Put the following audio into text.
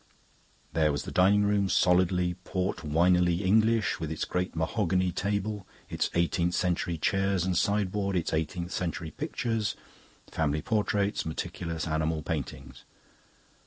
There was the dining room, solidly, portwinily English, with its great mahogany table, its eighteenth century chairs and sideboard, its eighteenth century pictures family portraits, meticulous animal paintings.